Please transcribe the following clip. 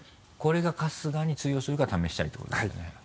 これが春日に通用するか試したいってことですね。